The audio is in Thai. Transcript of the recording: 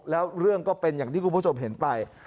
แล้วเรื่องก็เป็นอย่างที่คุณผู้ชมเห็นไป